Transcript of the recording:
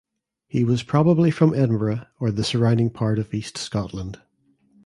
He was probably from Edinburgh or the surrounding part of east Scotland.